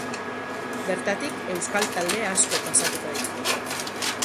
Bertatik euskal talde asko pasatuko dira.